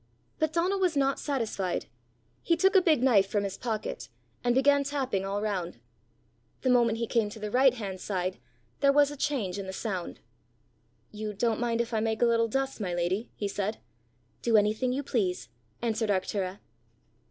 But Donal was not satisfied. He took a big knife from his pocket, and began tapping all round. The moment he came to the right hand side, there was a change in the sound. "You don't mind if I make a little dust, my lady?" he said. "Do anything you please," answered Arctura.